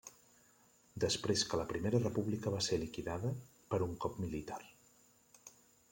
Després que la primera república va ser liquidada per un cop militar.